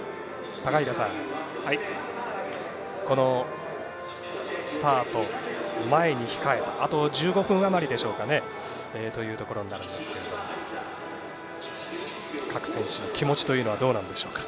高平さん、スタート前に控えたあと１５分あまりというところになるんですが各選手の気持ちはどうなんでしょうか。